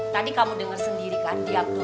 tadi kamu denger sendiri kan di abdul